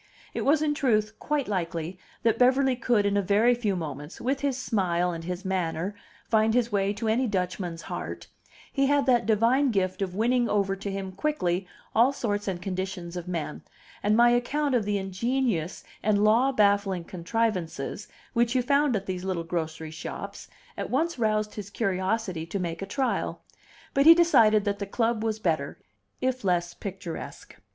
It was in truth quite likely that Beverly could in a very few moments, with his smile and his manner, find his way to any Dutchman's heart; he had that divine gift of winning over to him quickly all sorts and conditions of men; and my account of the ingenious and law baffling contrivances, which you found at these little grocery shops, at once roused his curiosity to make a trial; but he decided that the club was better, if less picturesque.